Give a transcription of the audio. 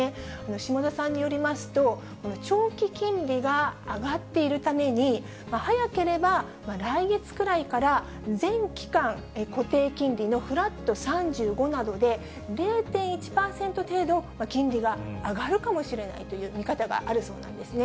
下田さんによりますと、この長期金利が上がっているために、早ければ来月くらいから、全期間、固定金利のフラット３５などで、０．１％程度、金利が上がるかもしれないという見方があるそうなんですね。